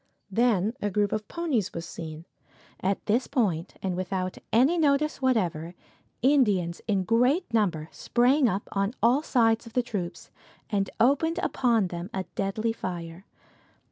Then a group of ponies was seen. At this point, and without any notice whatever, Indians in great numbers sprang up on all sides of the troops, and opened upon them a deadly fire.